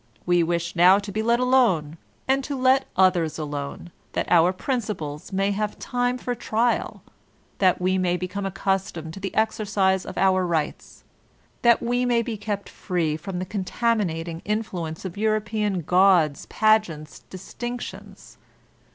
We wish now to be let alone and to let others alone, that our prin ciples may have time for trial ; that we may become ac customed to the exercise of our rights ; that we may be kept free from the contaminating influence of European gauds, pagents, distinctions.